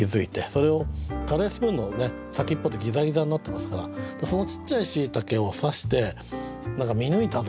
それをカレースプーンの先っぽってギザギザになってますからそのちっちゃい椎茸を刺して何か見抜いたぞ！